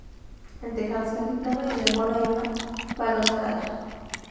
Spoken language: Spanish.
El tejado es casi plano, y en el borde hay una balaustrada.